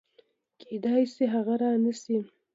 کېدای شي هغه رانشي